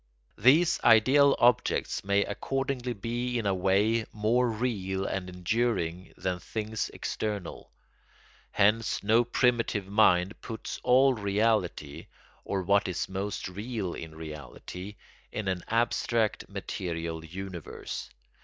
These ideal objects may accordingly be in a way more real and enduring than things external. Hence no primitive mind puts all reality, or what is most real in reality, in an abstract material universe.